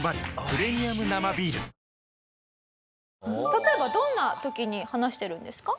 例えばどんな時に話してるんですか？